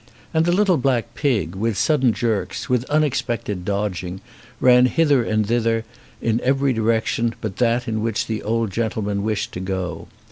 And the little black pig, with sudden jerks, with unexpected dodging, ran hither and thither, in every direction but that in which the old gentle man wished to go.